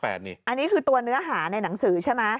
อันนี้คือตัวเนื้อหาในหนังสือใช่ไหม